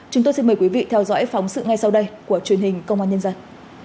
chúng tôi xin mời quý vị theo dõi phóng sự ngay sau đây của truyền hình công an